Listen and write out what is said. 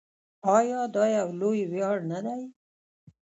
آیا دا یو لوی ویاړ نه دی؟